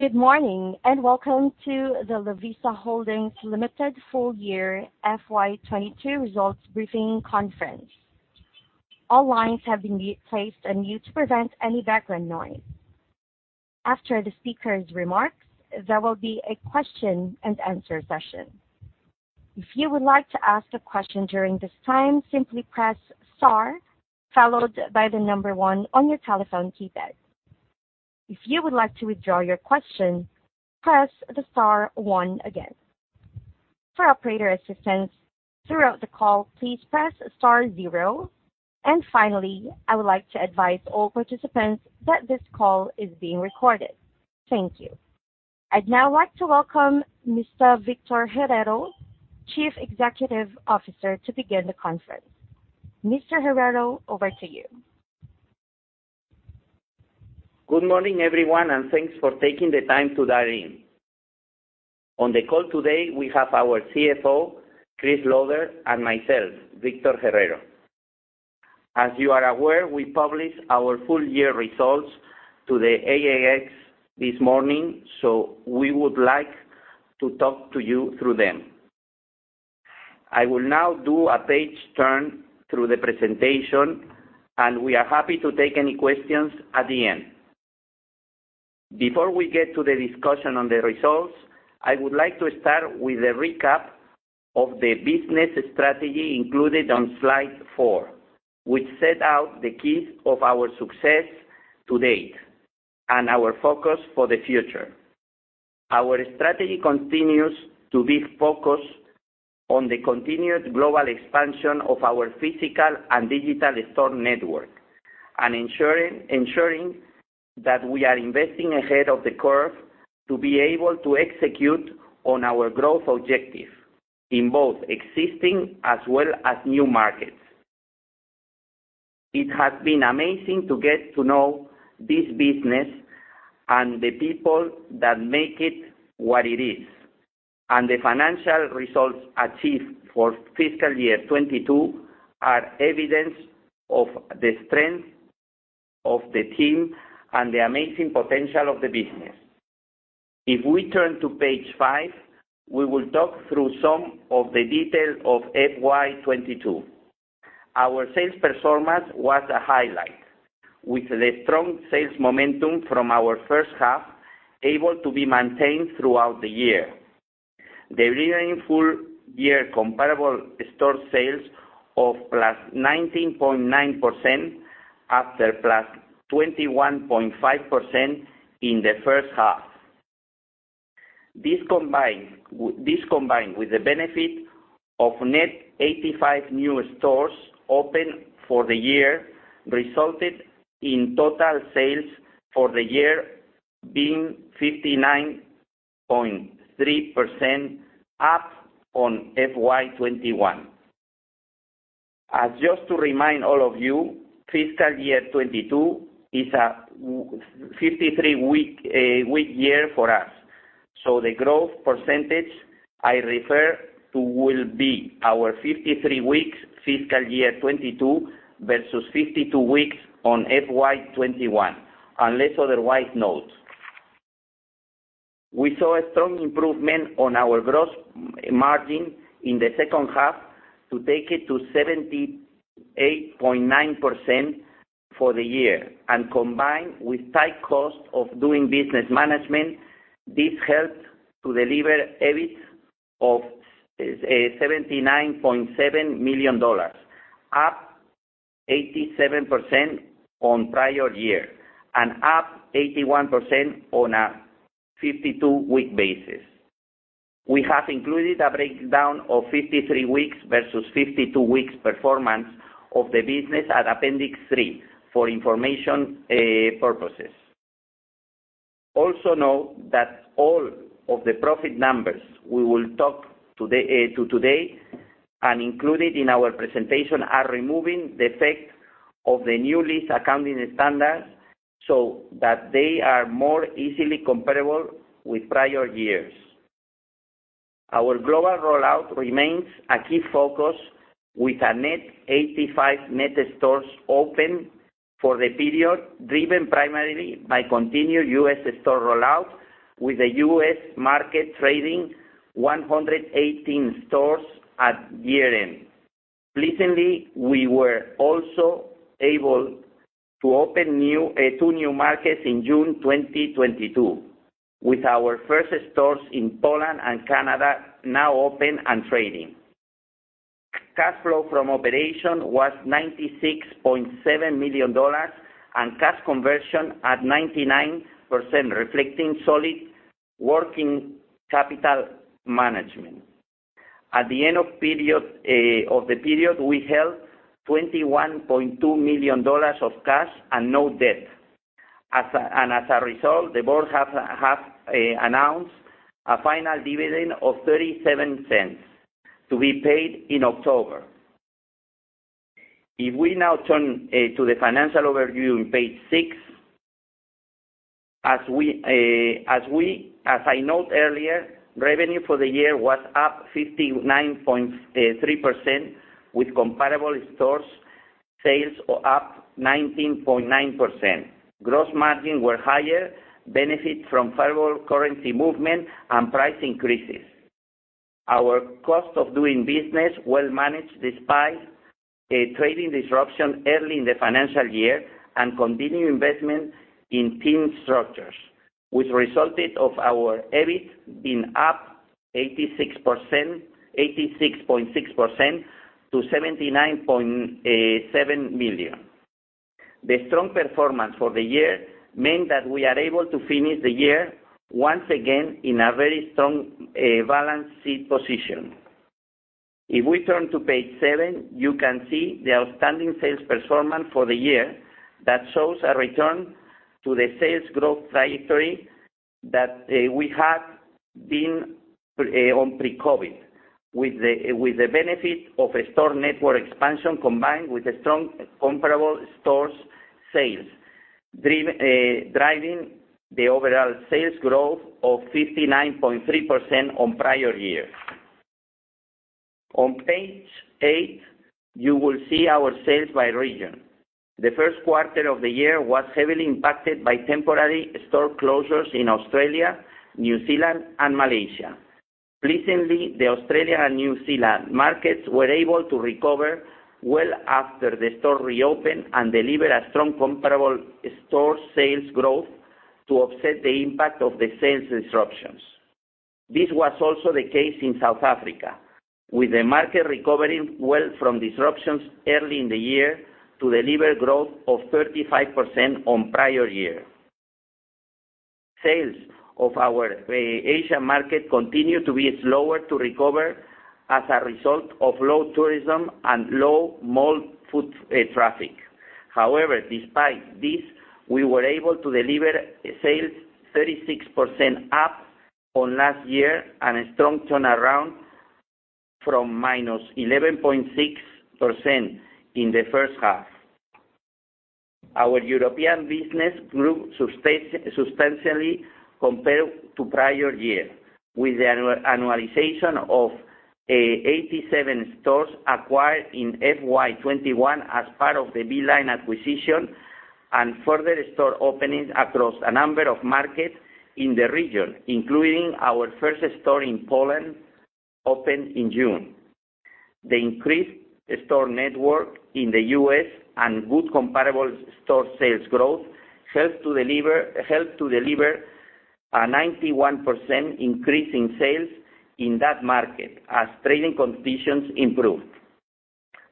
Good morning, and welcome to the Lovisa Holdings Limited full year FY22 results briefing conference. All lines have been placed on mute to prevent any background noise. After the speaker's remarks, there will be a question and answer session. If you would like to ask a question during this time, simply press star followed by the number 1 on your telephone keypad. If you would like to withdraw your question, press star one again. For operator assistance throughout the call, please press star zero. Finally, I would like to advise all participants that this call is being recorded. Thank you. I'd now like to welcome Mr. Victor Herrero, Chief Executive Officer, to begin the conference. Mr. Herrero, over to you. Good morning, everyone, and thanks for taking the time to dial in. On the call today, we have our CFO, Chris Lauder, and myself, Victor Herrero. As you are aware, we published our full year results to the ASX this morning, so we would like to talk to you through them. I will now do a page turn through the presentation, and we are happy to take any questions at the end. Before we get to the discussion on the results, I would like to start with a recap of the business strategy included on slide four, which set out the keys of our success to date and our focus for the future. Our strategy continues to be focused on the continued global expansion of our physical and digital store network, and ensuring that we are investing ahead of the curve to be able to execute on our growth objective in both existing as well as new markets. It has been amazing to get to know this business and the people that make it what it is, and the financial results achieved for fiscal year 2022 are evidence of the strength of the team and the amazing potential of the business. If we turn to page 5, we will talk through some of the details of FY 2022. Our sales performance was a highlight, with the strong sales momentum from our first half able to be maintained throughout the year, delivering full year comparable store sales of +19.9% after +21.5% in the first half. This combined with the benefit of net 85 new stores open for the year resulted in total sales for the year being 59.3% up on FY 2021. Just to remind all of you, fiscal year 2022 is a 53-week year for us, so the growth percentage I refer to will be our 53 weeks fiscal year 2022 versus 52 weeks on FY 2021, unless otherwise noted. We saw a strong improvement on our gross margin in the second half to take it to 78.9% for the year. Combined with tight cost of doing business management, this helped to deliver EBIT of 79.7 million dollars, up 87% on prior year, and up 81% on a 52-week basis. We have included a breakdown of 53 weeks versus 52 weeks performance of the business at appendix 3 for information purposes. Also note that all of the profit numbers we will talk about today and included in our presentation are removing the effect of the new lease accounting standards so that they are more easily comparable with prior years. Our global rollout remains a key focus with a net 85 stores open for the period, driven primarily by continued U.S. store rollout, with the U.S. market trading 118 stores at year-end. Pleasingly, we were also able to open two new markets in June 2022, with our first stores in Poland and Canada now open and trading. Cash flow from operations was 96.7 million dollars and cash conversion at 99%, reflecting solid working capital management. At the end of the period, we held 21.2 million dollars of cash and no debt. As a result, the board have announced a final dividend of 0.37 to be paid in October. If we now turn to the financial overview on page 6, as I note earlier, revenue for the year was up 59.3%, with comparable store sales are up 19.9%. Gross margin were higher, benefit from favorable currency movement and price increases. Our cost of doing business well managed despite a trading disruption early in the financial year and continued investment in team structures, which resulted of our EBIT being up 86.6% to 79.7 million. The strong performance for the year meant that we are able to finish the year once again in a very strong balance sheet position. If we turn to page 7, you can see the outstanding sales performance for the year that shows a return to the sales growth trajectory that we had been on pre-COVID, with the benefit of a store network expansion combined with the strong comparable stores sales, driving the overall sales growth of 59.3% on prior year. On page 8, you will see our sales by region. The first quarter of the year was heavily impacted by temporary store closures in Australia, New Zealand, and Malaysia. Pleasingly, the Australia and New Zealand markets were able to recover well after the store reopened and deliver a strong comparable store sales growth to offset the impact of the sales disruptions. This was also the case in South Africa, with the market recovering well from disruptions early in the year to deliver growth of 35% on prior year. Sales of our Asia market continue to be slower to recover as a result of low tourism and low mall foot traffic. However, despite this, we were able to deliver sales 36% up on last year and a strong turnaround from -11.6% in the first half. Our European business grew substantially compared to prior year, with the annualization of 87 stores acquired in FY21 as part of the beeline acquisition and further store openings across a number of markets in the region, including our first store in Poland, opened in June. The increased store network in the US and good comparable store sales growth helped to deliver a 91% increase in sales in that market as trading conditions improved.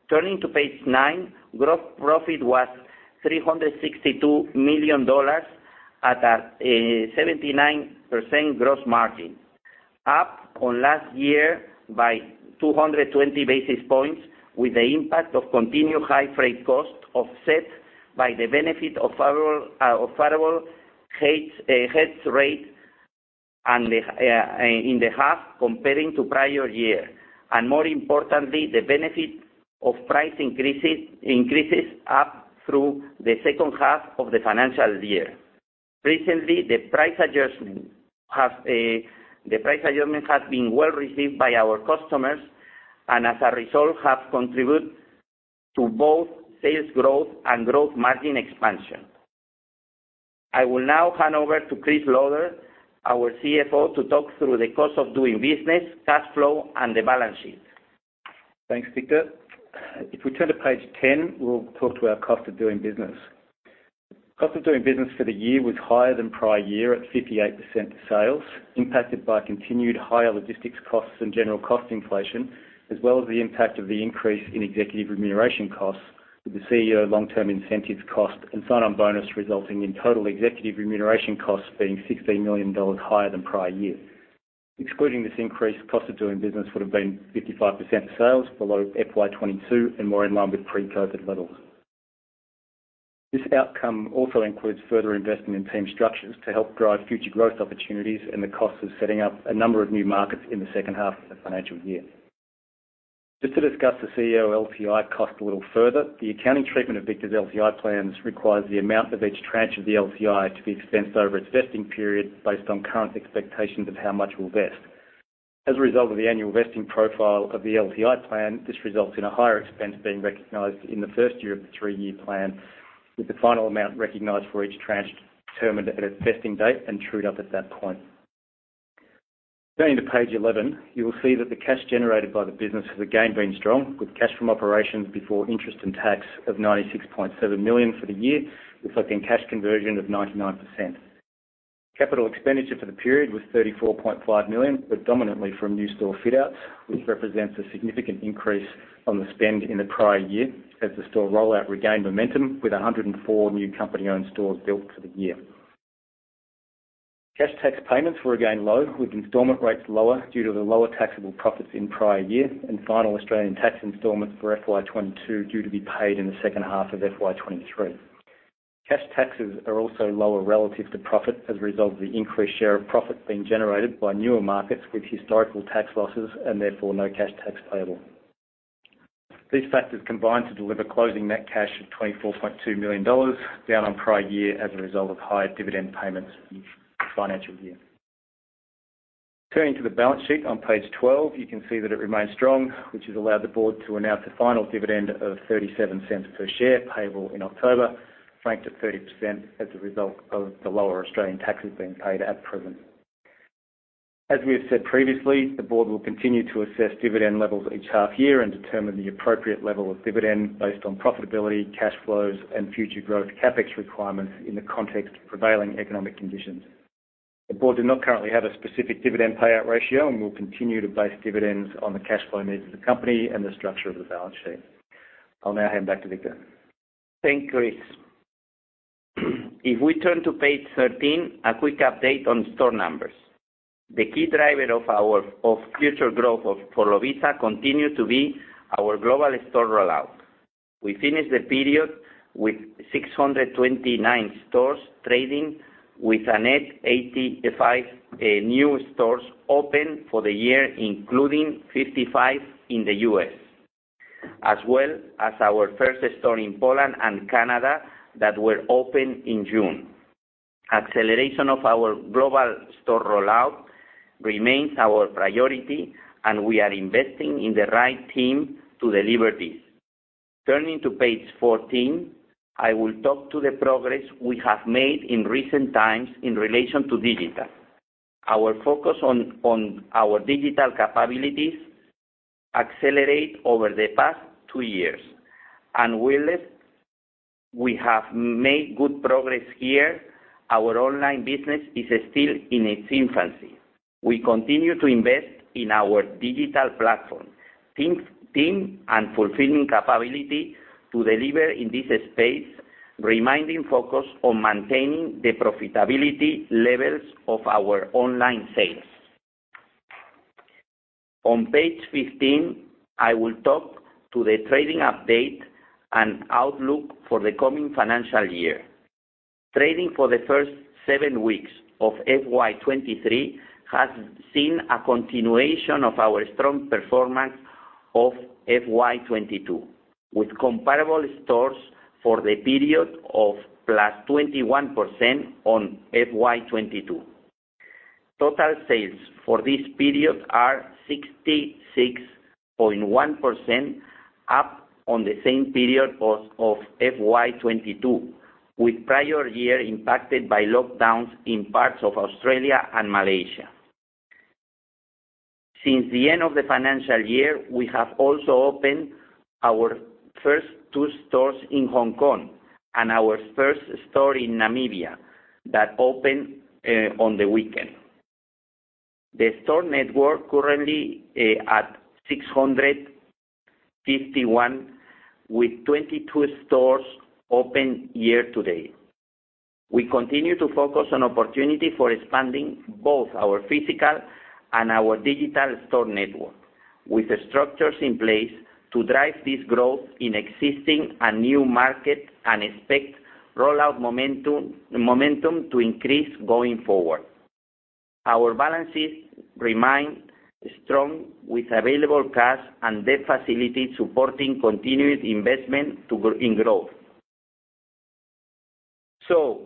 Turning to page nine, gross profit was 362 million dollars at a 79% gross margin, up on last year by 220 basis points with the impact of continued high freight costs offset by the benefit of favorable rates, hedge rates and in the half comparing to prior year, and more importantly, the benefit of price increases up through the second half of the financial year. Recently, the price adjustment has been well received by our customers and as a result, have contributed to both sales growth and growth margin expansion. I will now hand over to Chris Lauder, our CFO, to talk through the cost of doing business, cash flow, and the balance sheet. Thanks, Victor. If we turn to page 10, we'll talk about our cost of doing business. Cost of doing business for the year was higher than prior year at 58% of sales, impacted by continued higher logistics costs and general cost inflation, as well as the impact of the increase in executive remuneration costs with the CEO long-term incentives cost and sign-on bonus, resulting in total executive remuneration costs being 16 million dollars higher than prior year. Excluding this increase, cost of doing business would have been 55% of sales below FY22 and more in line with pre-COVID levels. This outcome also includes further investing in team structures to help drive future growth opportunities and the cost of setting up a number of new markets in the second half of the financial year. Just to discuss the CEO LTI cost a little further, the accounting treatment of Victor's LTI plans requires the amount of each tranche of the LTI to be expensed over its vesting period based on current expectations of how much will vest. As a result of the annual vesting profile of the LTI plan, this results in a higher expense being recognized in the first year of the three-year plan, with the final amount recognized for each tranche determined at its vesting date and trued up at that point. Going to page 11, you will see that the cash generated by the business has again been strong, with cash from operations before interest and tax of 96.7 million for the year, reflecting cash conversion of 99%. Capital expenditure for the period was 34.5 million, predominantly from new store fit outs, which represents a significant increase on the spend in the prior year as the store rollout regained momentum with 104 new company-owned stores built for the year. Cash tax payments were again low, with installment rates lower due to the lower taxable profits in prior year and final Australian tax installments for FY22 due to be paid in the second half of FY23. Cash taxes are also lower relative to profit as a result of the increased share of profits being generated by newer markets with historical tax losses and therefore no cash tax payable. These factors combine to deliver closing net cash of 24.2 million dollars, down on prior year as a result of higher dividend payments in the financial year. Turning to the balance sheet on page 12, you can see that it remains strong, which has allowed the board to announce a final dividend of 0.37 per share payable in October, franked at 30% as a result of the lower Australian taxes being paid at present. As we have said previously, the board will continue to assess dividend levels each half year and determine the appropriate level of dividend based on profitability, cash flows, and future growth CapEx requirements in the context of prevailing economic conditions. The board do not currently have a specific dividend payout ratio, and we'll continue to base dividends on the cash flow needs of the company and the structure of the balance sheet. I'll now hand back to Victor. Thanks, Chris. If we turn to page 13, a quick update on store numbers. The key driver of our future growth for Lovisa continues to be our global store rollout. We finished the period with 629 stores trading with a net 85 new stores open for the year, including 55 in the US, as well as our first store in Poland and Canada that were opened in June. Acceleration of our global store rollout remains our priority, and we are investing in the right team to deliver this. Turning to page 14, I will talk to the progress we have made in recent times in relation to digital. Our focus on our digital capabilities accelerate over the past two years. While we have made good progress here, our online business is still in its infancy. We continue to invest in our digital platform, team, and fulfilling capability to deliver in this space, remaining focused on maintaining the profitability levels of our online sales. On page 15, I will talk to the trading update and outlook for the coming financial year. Trading for the first seven weeks of FY23 has seen a continuation of our strong performance of FY22, with comparable stores for the period of +21% on FY22. Total sales for this period are 66.1% up on the same period of FY22, with prior year impacted by lockdowns in parts of Australia and Malaysia. Since the end of the financial year, we have also opened our first 2 stores in Hong Kong and our first store in Namibia that opened on the weekend. The store network currently at 651 with 22 stores opened year to date. We continue to focus on opportunity for expanding both our physical and our digital store network, with structures in place to drive this growth in existing and new market and expect rollout momentum to increase going forward. Our balances remain strong with available cash and debt facility supporting continued investment in growth.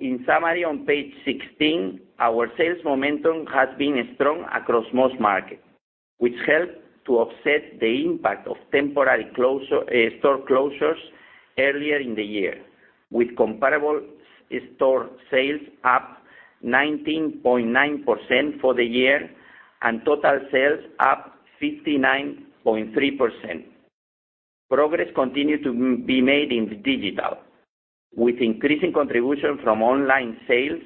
In summary on page 16, our sales momentum has been strong across most markets, which helped to offset the impact of temporary closure, store closures earlier in the year, with comparable store sales up 19.9% for the year and total sales up 59.3%. Progress continued to be made in digital, with increasing contribution from online sales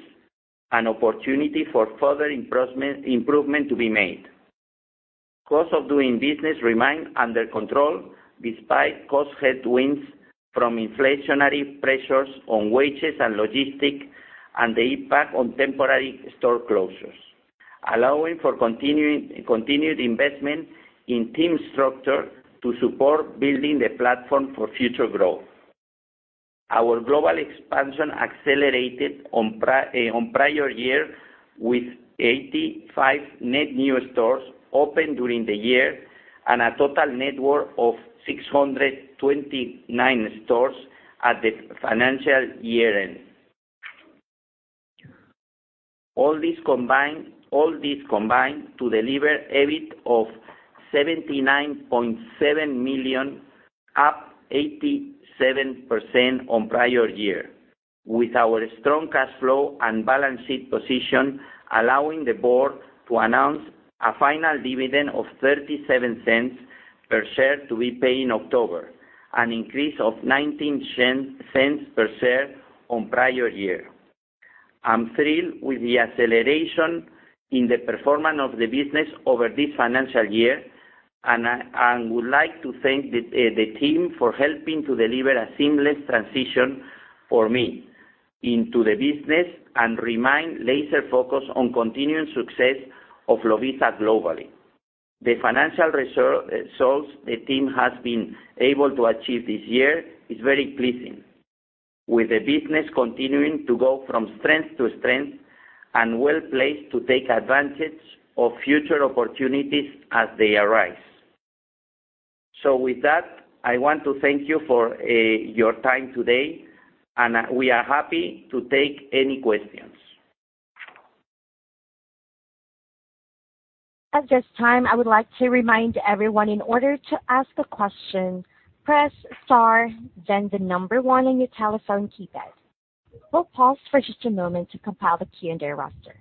and opportunity for further improvement to be made. Cost of doing business remained under control despite cost headwinds from inflationary pressures on wages and logistic and the impact on temporary store closures, allowing for continuing, continued investment in team structure to support building the platform for future growth. Our global expansion accelerated on prior year with 85 net new stores opened during the year and a total network of 629 stores at the financial year end. All these combined to deliver EBIT of 79.7 million, up 87% on prior year, with our strong cash flow and balance sheet position allowing the board to announce a final dividend of 0.37 per share to be paid in October, an increase of 0.19 per share on prior year. I'm thrilled with the acceleration in the performance of the business over this financial year and would like to thank the team for helping to deliver a seamless transition for me into the business and remain laser focused on continuing success of Lovisa globally. The financial results the team has been able to achieve this year is very pleasing, with the business continuing to go from strength to strength and well-placed to take advantage of future opportunities as they arise. With that, I want to thank you for your time today, and we are happy to take any questions. At this time, I would like to remind everyone in order to ask a question, press star then the number one on your telephone keypad. We'll pause for just a moment to compile the Q&A roster.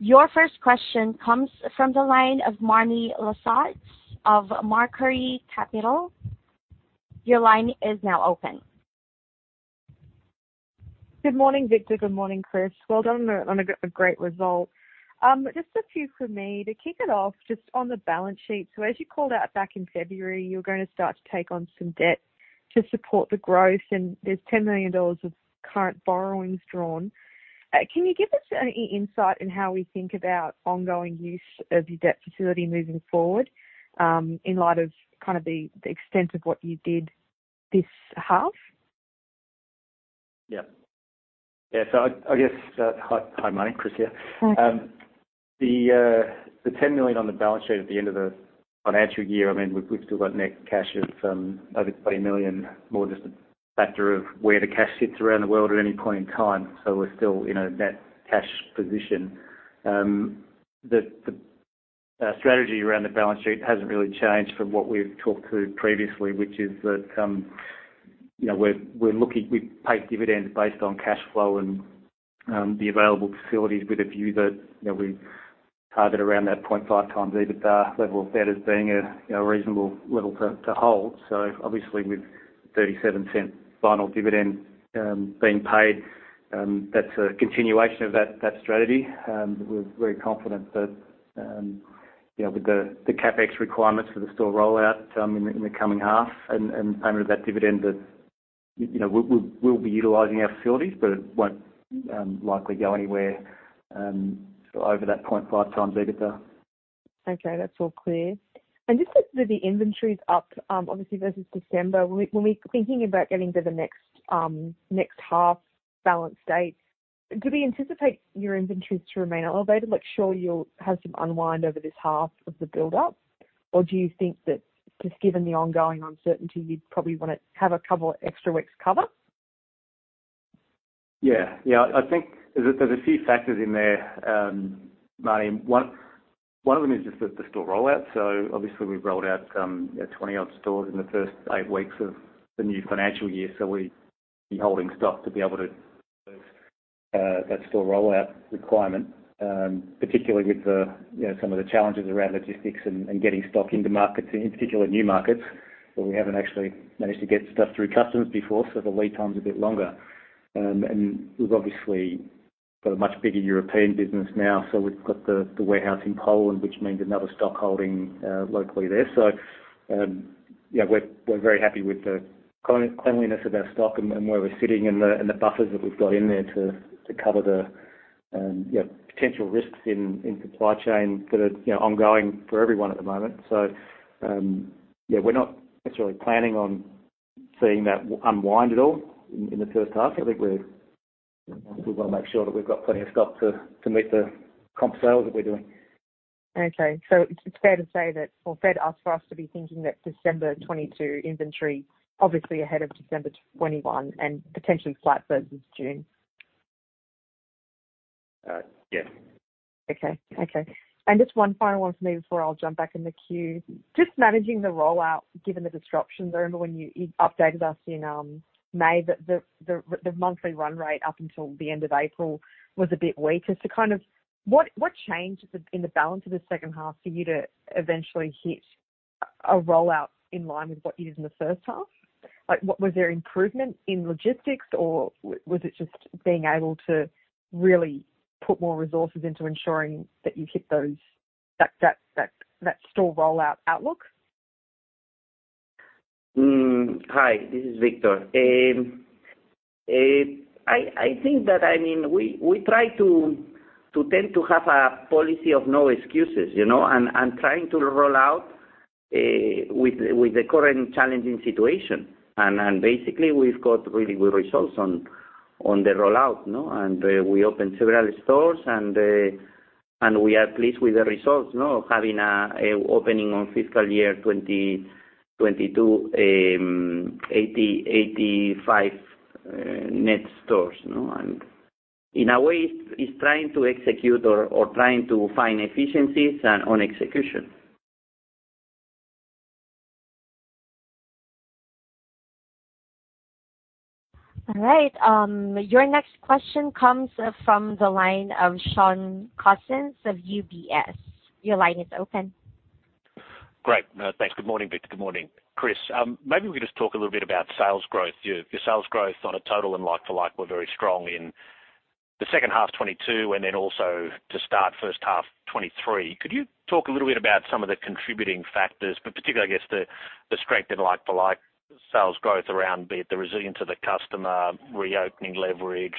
Your first question comes from the line of Marnie LaSotte of Mercury Capital. Your line is now open. Good morning, Victor. Good morning, Chris. Well done on a great result. Just a few for me. To kick it off, just on the balance sheet. As you called out back in February, you're gonna start to take on some debt to support the growth, and there's 10 million dollars of current borrowings drawn. Can you give us any insight into how we think about ongoing use of your debt facility moving forward, in light of the extent of what you did this half? Yeah. I guess, hi, Marnie. Chris here. Hi. The 10 million on the balance sheet at the end of the financial year, I mean, we've still got net cash of over 20 million, more just a factor of where the cash sits around the world at any point in time. We're still in a net cash position. The strategy around the balance sheet hasn't really changed from what we've talked to previously, which is that, you know, we're looking. We pay dividends based on cash flow and the available facilities with a view that, you know, we target around that 0.5x EBITDA level of debt as being a reasonable level to hold. Obviously with 0.37 final dividend being paid, that's a continuation of that strategy. We're very confident that, you know, with the CapEx requirements for the store rollout in the coming half and payment of that dividend that, you know, we'll be utilizing our facilities, but it won't likely go anywhere so over that 0.5x EBITDA. Okay. That's all clear. Just with the inventories up, obviously versus December, when we're thinking about getting to the next half balance date, do we anticipate your inventories to remain elevated? Like, sure you'll have some unwind over this half of the buildup? Or do you think that just given the ongoing uncertainty, you'd probably wanna have a couple extra weeks cover? Yeah. I think there's a few factors in there, Marnie. One of them is just the store rollout. Obviously we've rolled out, you know, 20-odd stores in the first 8 weeks of the new financial year. We'll be holding stock to be able to that store rollout requirement, particularly with the, you know, some of the challenges around logistics and getting stock into markets, in particular new markets, where we haven't actually managed to get stuff through customs before, so the lead time's a bit longer. We've obviously got a much bigger European business now, so we've got the warehouse in Poland, which means another stock holding locally there. Yeah, we're very happy with the cleanliness of our stock and where we're sitting and the buffers that we've got in there to cover the, you know, potential risks in supply chain that are, you know, ongoing for everyone at the moment. Yeah, we're not necessarily planning on seeing that unwind at all in the first half. I think we're. We wanna make sure that we've got plenty of stock to meet the comp sales that we're doing. Okay. It's fair to say that or fair to ask for us to be thinking that December 2022 inventory, obviously ahead of December 2021 and potentially flat versus June? Yeah. Okay. Just one final one for me before I'll jump back in the queue. Just managing the rollout, given the disruptions. I remember when you updated us in May that the monthly run rate up until the end of April was a bit weaker. So kind of what changed in the balance of the second half for you to eventually hit a rollout in line with what you did in the first half? Like, what was there improvement in logistics, or was it just being able to really put more resources into ensuring that you hit those that store rollout outlook? Hi, this is Victor. I mean, I think that we try to tend to have a policy of no excuses, you know, and trying to roll out with the current challenging situation. Basically we've got really good results on the rollout, no? We opened several stores and we are pleased with the results, no, having an opening on fiscal year 2022, 85 net stores, you know. In a way it's trying to execute or trying to find efficiencies on execution. All right. Your next question comes from the line of Shaun Cousins of UBS. Your line is open. Great. No, thanks. Good morning, Victor. Good morning, Chris. Maybe we could just talk a little bit about sales growth. Your sales growth on a total and like-for-like were very strong in the second half 2022 and then also to start first half 2023. Could you talk a little bit about some of the contributing factors, but particularly I guess the strength in like-for-like sales growth around, be it the resilience of the customer, reopening leverage,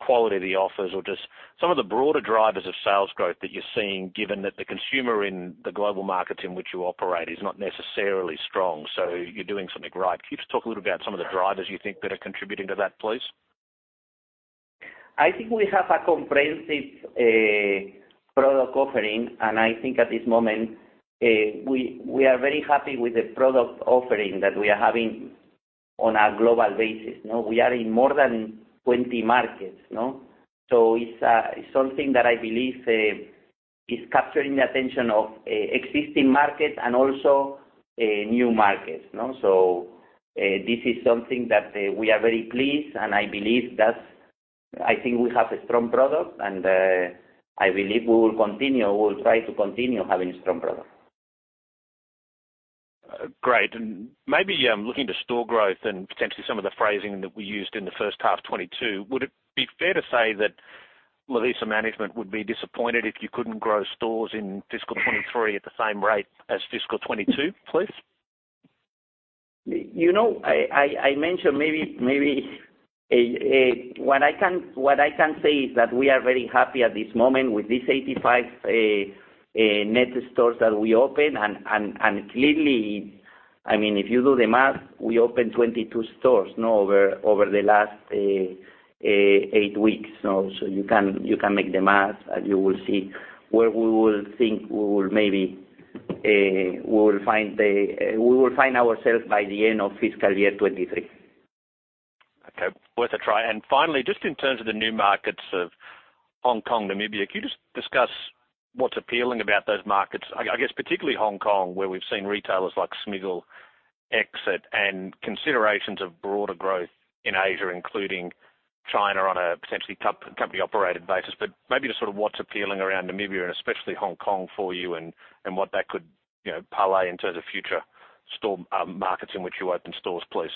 quality of the offers or just some of the broader drivers of sales growth that you're seeing given that the consumer in the global markets in which you operate is not necessarily strong. You're doing something right. Can you just talk a little about some of the drivers you think that are contributing to that, please? I think we have a comprehensive product offering. I think at this moment, we are very happy with the product offering that we are having on a global basis, you know. We are in more than 20 markets, you know. It's something that I believe is capturing the attention of existing markets and also new markets, you know. This is something that we are very pleased, and I believe that's. I think we have a strong product, and I believe we will continue. We will try to continue having strong product. Great. Maybe, looking to store growth and potentially some of the phrasing that we used in the first half 2022, would it be fair to say that Lovisa management would be disappointed if you couldn't grow stores in fiscal 2023 at the same rate as fiscal 2022, please? What I can say is that we are very happy at this moment with these 85 net stores that we opened. Clearly, I mean, if you do the math, we opened 22 stores, you know, over the last 8 weeks, you know. You can do the math, and you will see where we will think we will maybe find ourselves by the end of fiscal year 2023.` Okay. Worth a try. Finally, just in terms of the new markets of Hong Kong, Namibia, can you just discuss what's appealing about those markets? I guess particularly Hong Kong, where we've seen retailers like Smiggle exit, and considerations of broader growth in Asia, including China, on a potentially company operated basis. Maybe just sort of what's appealing around Namibia and especially Hong Kong for you and what that could, you know, parlay in terms of future store markets in which you open stores, please.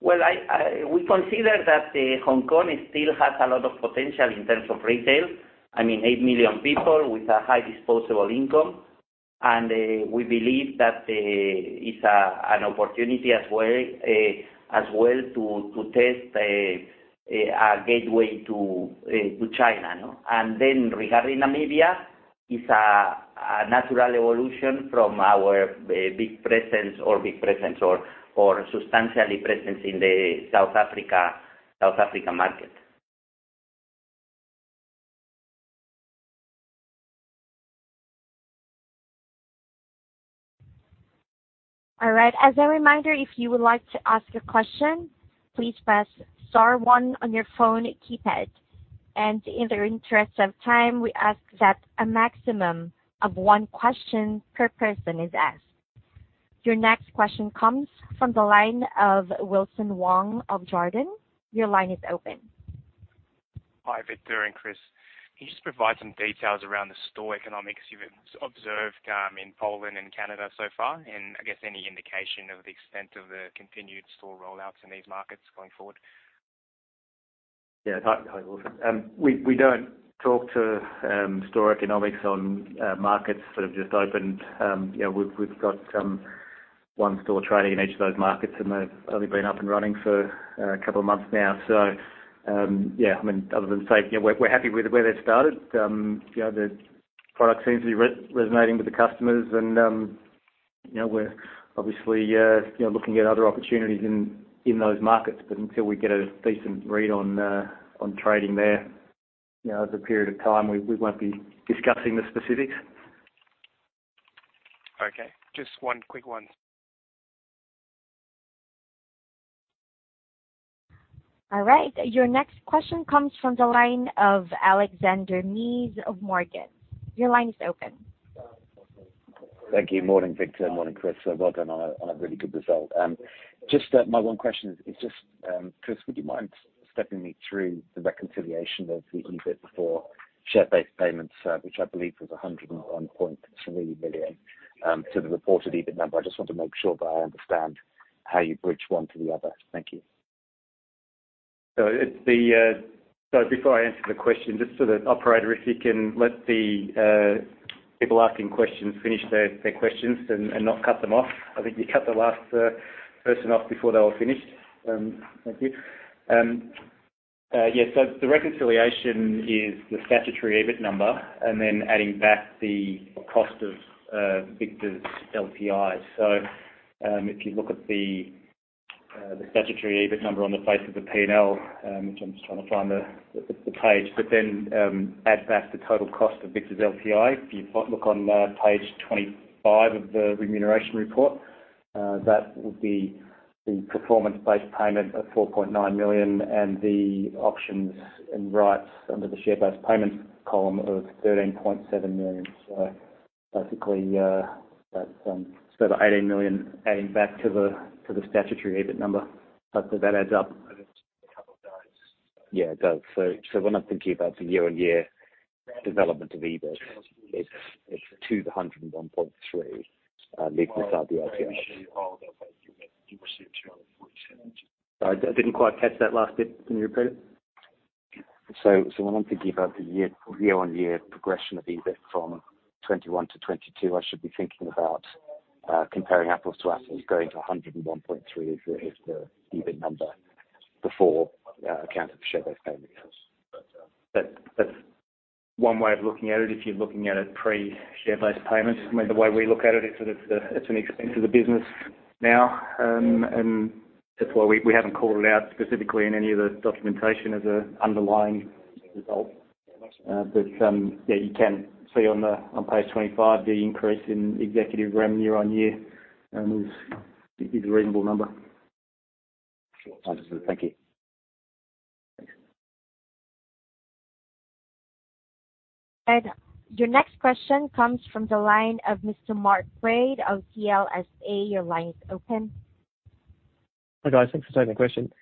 Well, we consider that Hong Kong still has a lot of potential in terms of retail. I mean, 8 million people with a high disposable income. We believe that it's an opportunity as well to test a gateway to China, you know. Regarding Namibia, it's a natural evolution from our substantial presence in the South Africa market. All right. As a reminder, if you would like to ask a question, please press star one on your phone keypad. In the interest of time, we ask that a maximum of one question per person is asked. Your next question comes from the line of Wilson Wong of Jarden. Your line is open. Hi, Victor and Chris. Can you just provide some details around the store economics you've observed in Poland and Canada so far? I guess any indication of the extent of the continued store rollouts in these markets going forward? Yeah. Hi, Wilson. We don't talk to store economics on markets that have just opened. You know, we've got one store trading in each of those markets, and they've only been up and running for a couple of months now. Yeah, I mean, other than saying, you know, we're happy with the way they've started. You know, the product seems to be resonating with the customers and, you know, we're obviously looking at other opportunities in those markets. But until we get a decent read on trading there, you know, over a period of time, we won't be discussing the specifics. Okay. Just one quick one. All right. Your next question comes from the line of Alexander Mees of Morgans. Your line is open. Thank you. Morning, Victor. Morning, Chris. Well done on a really good result. My one question is, Chris, would you mind stepping me through the reconciliation of the EBIT before share based payments, which I believe was 101.3 million, to the reported EBIT number? I just want to make sure that I understand how you bridge one to the other. Thank you. Before I answer the question, just so the operator, if you can let the people asking questions finish their questions and not cut them off. I think you cut the last person off before they were finished. Thank you. Yes. The reconciliation is the statutory EBIT number and then adding back the cost of Victor's LTI. If you look at the statutory EBIT number on the face of the P&L, which I'm just trying to find the page, but then add back the total cost of Victor's LTI. If you look on page 25 of the remuneration report, that would be the performance-based payment of 4.9 million and the options and rights under the share-based payment column of 13.7 million. Basically, that's the 18 million adding back to the statutory EBIT number. That adds up. Yeah, it does. When I'm thinking about the year-on-year development of EBIT, it's to 101.3%, leaving aside the LTIs. Sorry, I didn't quite catch that last bit. Can you repeat it? When I'm thinking about the year-on-year progression of EBIT from 21 to 22, I should be thinking about comparing apples to apples, going to 101.3 as the EBIT number before accounting for share-based payments. That's one way of looking at it. If you're looking at it pre share-based payment. I mean, the way we look at it's sort of it's an expense of the business now. That's why we haven't called it out specifically in any of the documentation as an underlying result. Yeah, you can see on page 25, the increase in executive REM year-on-year is a reasonable number. Sure. Understood. Thank you. Your next question comes from the line of Mr. Mark Quade of CLSA. Your line is open. Hi, guys. Thanks for taking the question.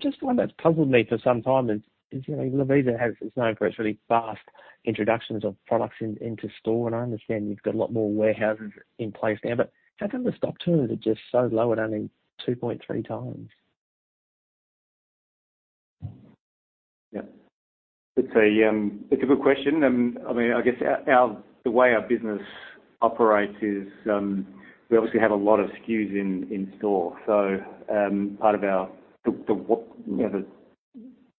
Just one that's puzzled me for some time is, you know, Lovisa is known for its really fast introductions of products into store, and I understand you've got a lot more warehouses in place now, but how come the stock turns are just so low at only 2.3 times? Yeah. It's a good question. I mean, I guess the way our business operates is we obviously have a lot of SKUs in store. Part of the way, you know,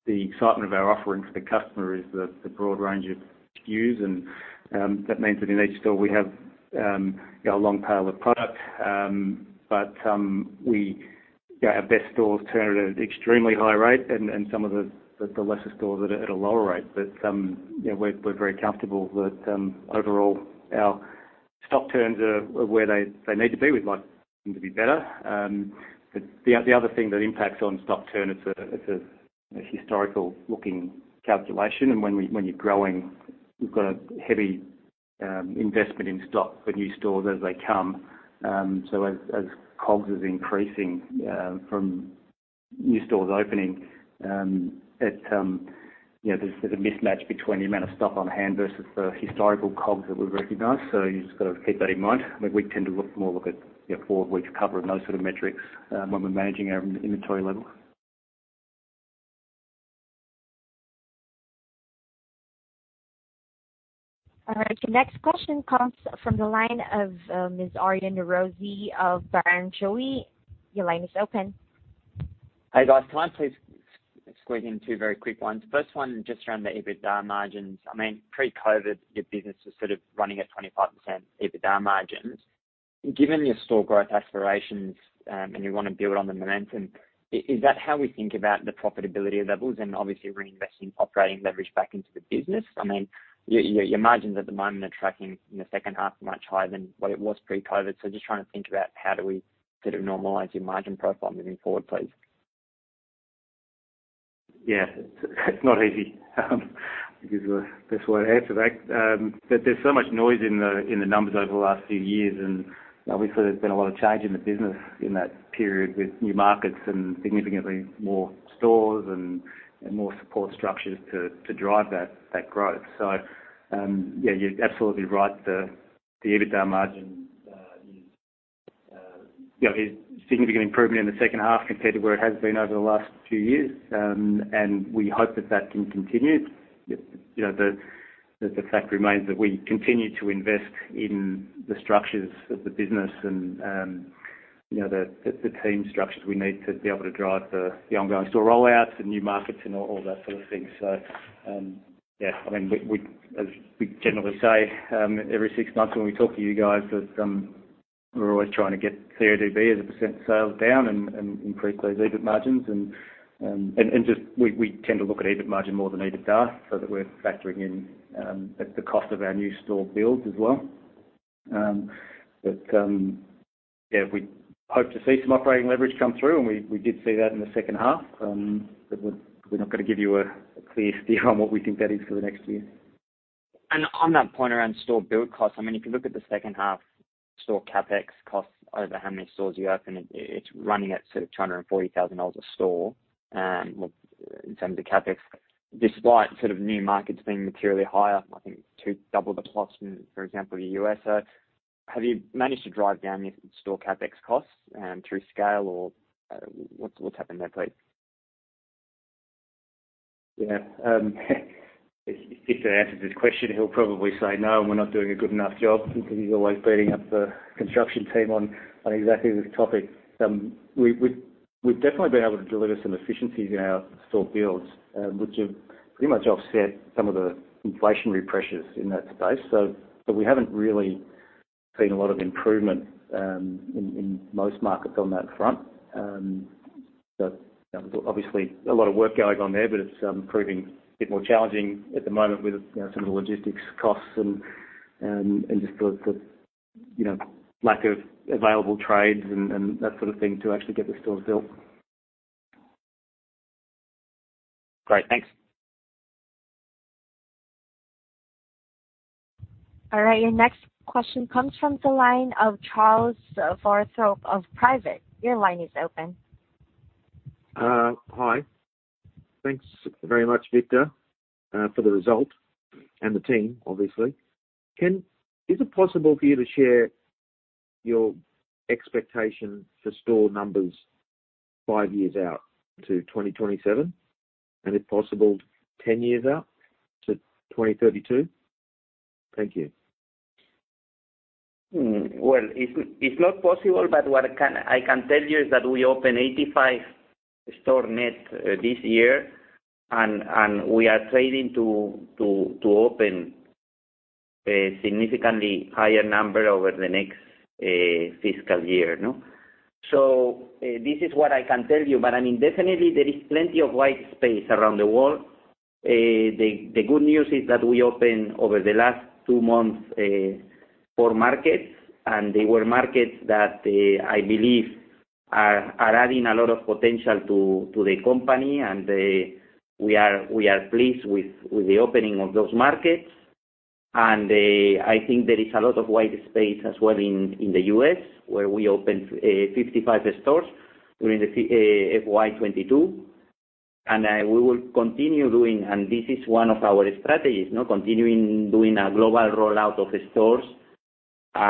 the excitement of our offering for the customer is the broad range of SKUs. That means that in each store we have, you know, a long tail of product. We you know have best stores turn at an extremely high rate and some of the lesser stores at a lower rate. You know, we're very comfortable that overall our stock turns are where they need to be. We'd like them to be better. The other thing that impacts on stock turn, it's a historical looking calculation. When you're growing, you've got a heavy investment in stock for new stores as they come. As COGS is increasing from new stores opening, you know, there's a mismatch between the amount of stock on hand versus the historical COGS that we've recognized. You just gotta keep that in mind. We tend to look at, you know, four weeks cover of those sort of metrics when we're managing our inventory level. All right. Your next question comes from the line of, Ms. Aryan Norozi of Barrenjoey. Your line is open. Hey guys, can I please squeeze in two very quick ones? First one, just around the EBITDA margins. I mean, pre-COVID, your business was sort of running at 25% EBITDA margins. Given your store growth aspirations, and you wanna build on the momentum, is that how we think about the profitability levels and obviously reinvesting operating leverage back into the business? I mean, your margins at the moment are tracking in the second half much higher than what it was pre-COVID. Just trying to think about how do we sort of normalize your margin profile moving forward, please. Yeah. It's not easy, because the best way to answer that, but there's so much noise in the numbers over the last few years, and obviously there's been a lot of change in the business in that period with new markets and significantly more stores and more support structures to drive that growth. Yeah, you're absolutely right. The EBITDA margin, you know, is significantly improving in the second half compared to where it has been over the last few years. We hope that can continue. You know, the fact remains that we continue to invest in the structures of the business and, you know, the team structures we need to be able to drive the ongoing store rollouts, the new markets and all that sort of thing. Yeah, I mean, as we generally say every six months when we talk to you guys that we're always trying to get CODB as a percentage of sales down and increase those EBIT margins. We just tend to look at EBIT margin more than EBITDA so that we're factoring in the cost of our new store builds as well. Yeah, we hope to see some operating leverage come through, and we did see that in the second half. We're not gonna give you a clear steer on what we think that is for the next year. On that point around store build costs, I mean, if you look at the second half store CapEx costs over how many stores you opened, it's running at sort of 240,000 dollars a store, in terms of CapEx, despite sort of new markets being materially higher, I think double the costs in, for example, the U.S. Have you managed to drive down your store CapEx costs, through scale, or what's happened there, please? Yeah. If Victor answered this question, he'll probably say, "No, and we're not doing a good enough job," because he's always beating up the construction team on exactly this topic. We've definitely been able to deliver some efficiencies in our store builds, which have pretty much offset some of the inflationary pressures in that space. But we haven't really seen a lot of improvement in most markets on that front. There's obviously a lot of work going on there, but it's proving a bit more challenging at the moment with, you know, some of the logistics costs and just the, you know, lack of available trades and that sort of thing to actually get the stores built. Great. Thanks. All right. Your next question comes from the line of Charles Forsyth of Private. Your line is open. Hi. Thanks very much, Victor, for the result, and the team obviously. Is it possible for you to share your expectation for store numbers 5 years out to 2027? If possible, 10 years out to 2032? Thank you. It's not possible, but what I can tell you is that we opened 85 store net this year. We are planning to open a significantly higher number over the next fiscal year, you know? This is what I can tell you, but I mean, definitely there is plenty of white space around the world. The good news is that we opened over the last two months four markets, and they were markets that I believe are adding a lot of potential to the company. We are pleased with the opening of those markets. I think there is a lot of white space as well in the U.S. where we opened 55 stores during the FY22. We will continue doing. This is one of our strategies, you know, continuing doing a global rollout of the stores. We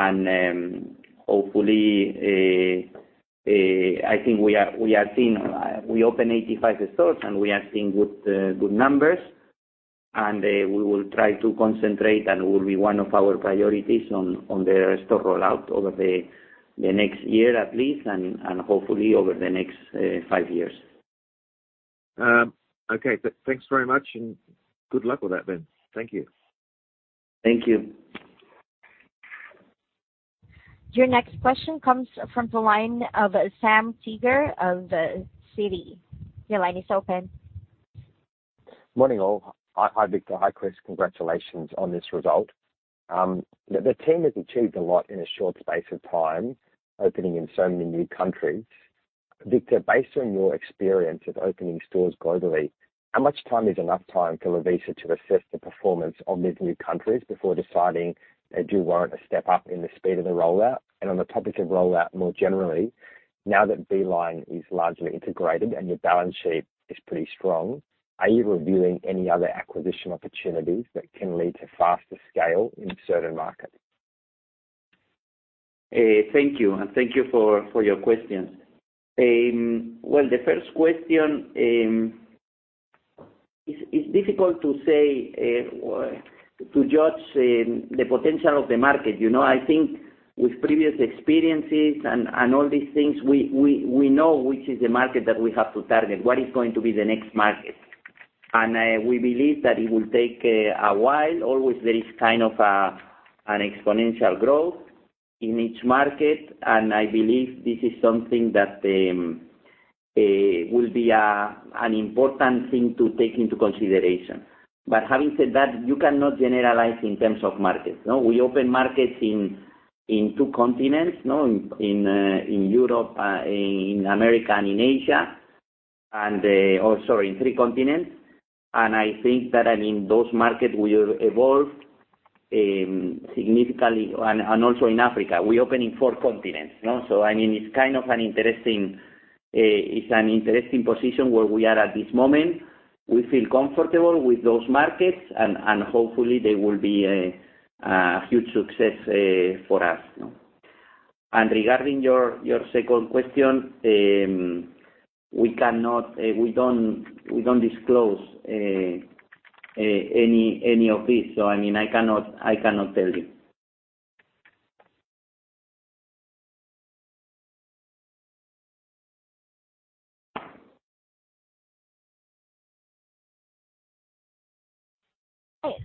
opened 85 stores, and we are seeing good numbers. We will try to concentrate, and it will be one of our priorities on the store rollout over the next year at least and hopefully over the next five years. Okay. Thanks very much, and good luck with that then. Thank you. Thank you. Your next question comes from the line of Sam Teeger of Citi. Your line is open. Morning, all. Hi, Victor. Hi, Chris. Congratulations on this result. The team has achieved a lot in a short space of time, opening in so many new countries. Victor, based on your experience of opening stores globally, how much time is enough time for Lovisa to assess the performance of these new countries before deciding they do warrant a step up in the speed of the rollout? On the topic of rollout more generally, now that beeline is largely integrated and your balance sheet is pretty strong, are you reviewing any other acquisition opportunities that can lead to faster scale in certain markets? Thank you, and thank you for your questions. The first question, it's difficult to say or to judge the potential of the market. You know, I think with previous experiences and all these things, we know which is the market that we have to target, what is going to be the next market. We believe that it will take a while. Always there is kind of an exponential growth in each market, and I believe this is something that will be an important thing to take into consideration. Having said that, you cannot generalize in terms of markets, no? We open markets in two continents, no? In Europe, in America and in Asia, or, sorry, in three continents. I think that, I mean, those markets will evolve significantly and also in Africa. We open in four continents, you know? I mean, it's an interesting position where we are at this moment. We feel comfortable with those markets and hopefully they will be a huge success for us, you know? Regarding your second question, we cannot, we don't disclose any of this. I mean, I cannot tell you.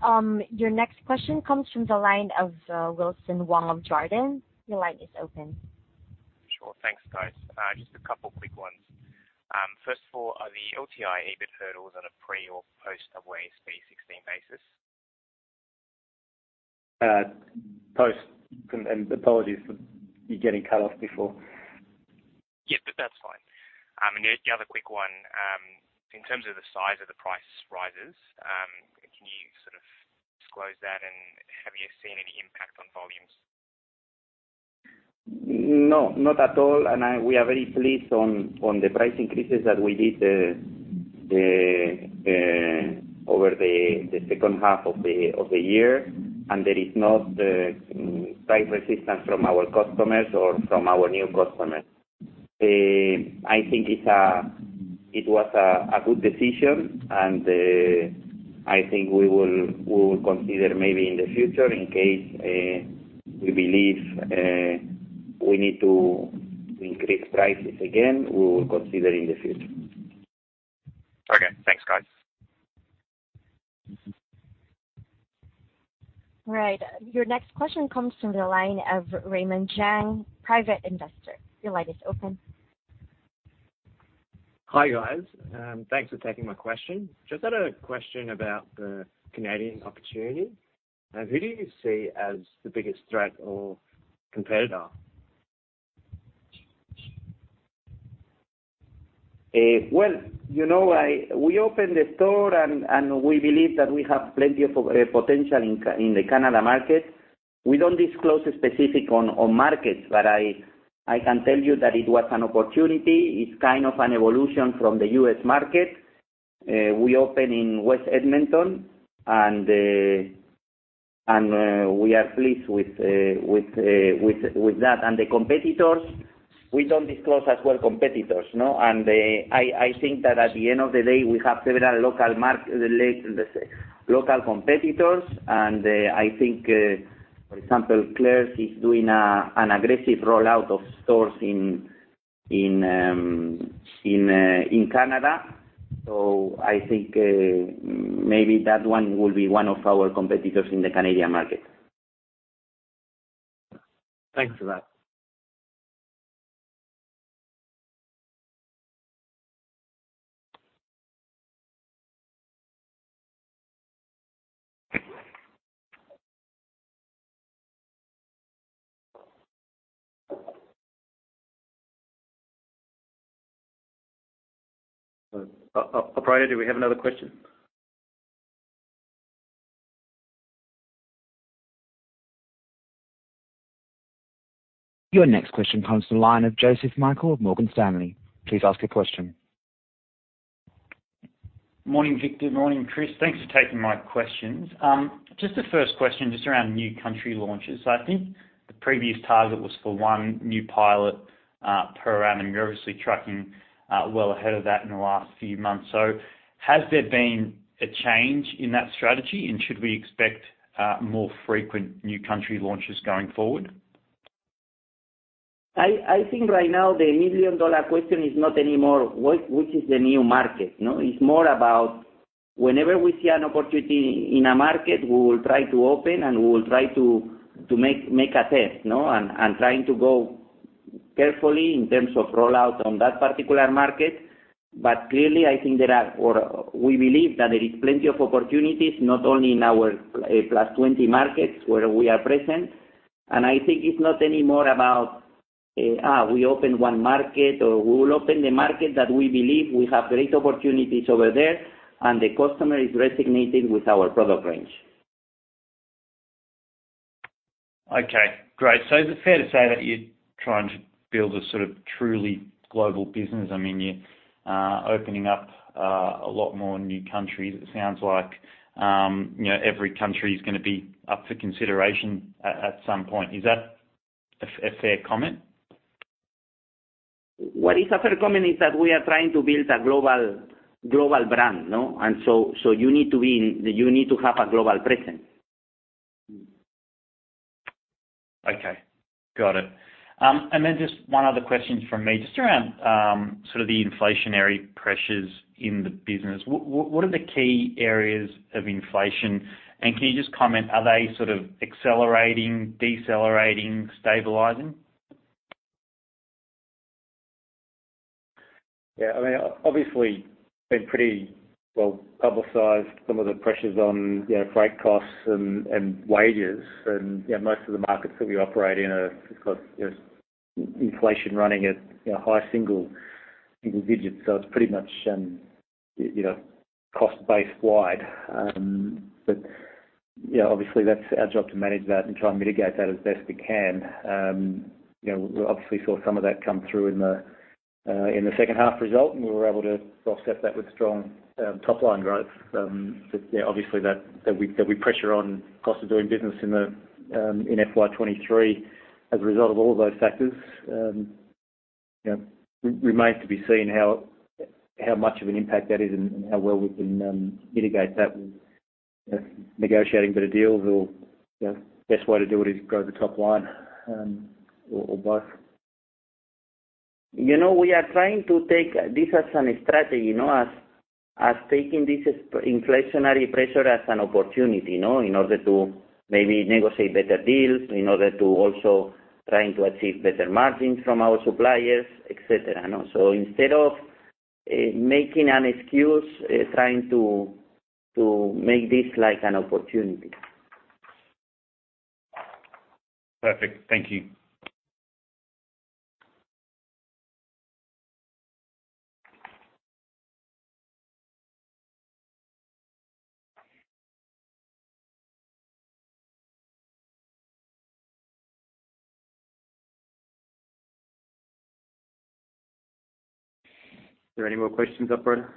Okay. Your next question comes from the line of Wilson Wong of Jarden. Your line is open. Sure. Thanks, guys. Just a couple quick ones. First of all, are the LTI EBIT hurdles on a pre or post AASB 16 basis? Apologies for you getting cut off before. Yes, that's fine. The other quick one, in terms of the size of the price rises, can you sort of disclose that, and have you seen any impact on volumes? No, not at all. We are very pleased on the price increases that we did over the second half of the year. There is no price resistance from our customers or from our new customers. I think it was a good decision, and I think we will consider maybe in the future in case we believe we need to increase prices again, we will consider in the future. Okay. Thanks, guys. Right. Your next question comes from the line of Raymond Zhang, Private Investor. Your line is open. Hi, guys. Thanks for taking my question. Just had a question about the Canadian opportunity. Who do you see as the biggest threat or competitor? Well, you know, we opened the store, and we believe that we have plenty of potential in the Canadian market. We don't disclose specifics on markets, but I can tell you that it was an opportunity. It's kind of an evolution from the US market. We opened in West Edmonton, and we are pleased with that. We don't disclose competitors as well, no? I think that at the end of the day, we have several local competitors. I think, for example, Claire's is doing an aggressive rollout of stores in Canada. I think maybe that one will be one of our competitors in the Canadian market. Thanks for that. Operator, do we have another question? Your next question comes from the line of Joseph Michael of Morgan Stanley. Please ask your question. Morning, Victor. Morning, Chris. Thanks for taking my questions. Just the first question around new country launches. I think the previous target was for one new pilot per annum. You're obviously tracking well ahead of that in the last few months. Has there been a change in that strategy? Should we expect more frequent new country launches going forward? I think right now the million-dollar question is not anymore what, which is the new market, no? It's more about whenever we see an opportunity in a market, we will try to open, and we will try to make a test, no? Trying to go carefully in terms of rollout on that particular market. But clearly, I think there are, or we believe that there is plenty of opportunities, not only in our plus 20 markets where we are present. I think it's not anymore about, we open one market or we will open the market that we believe we have great opportunities over there, and the customer is resonating with our product range. Okay, great. Is it fair to say that you're trying to build a sort of truly global business? I mean, you're opening up a lot more new countries. It sounds like, you know, every country is gonna be up for consideration at some point. Is that a fair comment? What is a fair comment is that we are trying to build a global brand, no? You need to have a global presence. Okay. Got it. Just one other question from me, just around sort of the inflationary pressures in the business. What are the key areas of inflation? And can you just comment, are they sort of accelerating, decelerating, stabilizing? Yeah. I mean, obviously, been pretty well publicized some of the pressures on, you know, freight costs and wages. You know, most of the markets that we operate in are, of course, you know, inflation running at, you know, high single digits, so it's pretty much, you know, cost base wide. You know, obviously, that's our job to manage that and try and mitigate that as best we can. You know, we obviously saw some of that come through in the second half result, and we were able to offset that with strong top-line growth. Yeah, obviously that pressure on cost of doing business in FY23 as a result of all those factors. You know, remains to be seen how much of an impact that is and how well we can mitigate that with you know, negotiating better deals or you know, best way to do it is grow the top line or both. You know, we are trying to take this as a strategy, you know, taking this inflationary pressure as an opportunity, you know, in order to maybe negotiate better deals, in order to also try to make this like an opportunity. Perfect. Thank you. Are there any more questions up for her?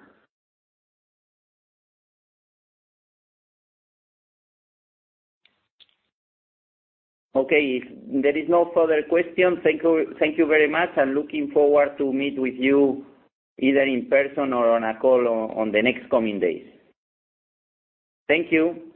Okay. If there is no further questions, thank you, thank you very much and looking forward to meet with you either in person or on a call on the next coming days. Thank you.